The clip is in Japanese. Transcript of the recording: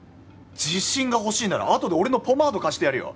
自信が欲しいならあとで俺のポマード貸してやるよ。